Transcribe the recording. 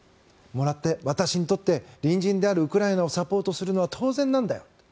もらって、私にとって隣人であるウクライナをサポートするのは当然なんだよと。